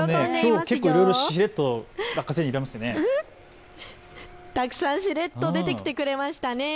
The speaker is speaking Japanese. きょう結構しれっとラッカ星人たくさんしれっと出てきてくれましたね。